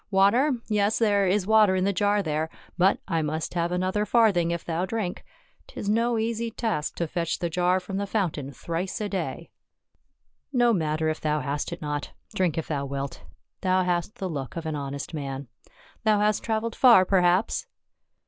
"Water? Yes, there is water in the jar there ; but I must have another farthing if thou drink. 'Tis no easy task to fetch the jar from the fountain thrice a day. — No 134 PAUL. matter if thou hast it not, drink if thou wilt ; thou hast the look of an honest man. Thou hast traveled far, perhaps?"